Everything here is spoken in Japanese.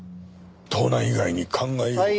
盗難以外に考えようがなく。